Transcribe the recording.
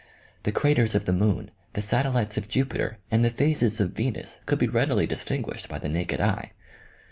The cra ters of the moon, the satellites of Jupiter, and the phases of Venus could be readily distinguished by the naked eye.